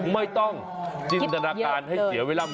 ไม่ต้องจินตนาการให้เสียเวลา